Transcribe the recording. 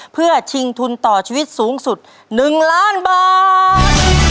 เพื่อชิงทุนต่อชีวิตสูงสุด๑ล้านบาท